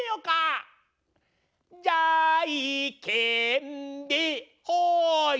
じゃいけんでほい！